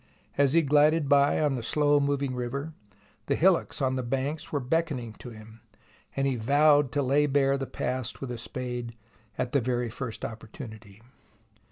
As he glided by on the slow moving river the hillocks on the banks were beckoning to him, and he vowed to lay bare the past with a spade at the very first opportunity.